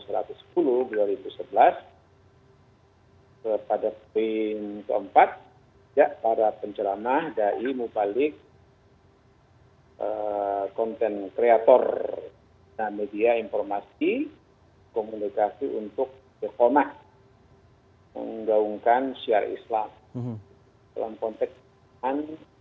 pada tahun dua ribu empat belas pada tahun dua ribu empat belas para penceramah dari mupalik konten kreator media informasi komunikasi untuk ekonomi menggaungkan syar islam dalam konteks islam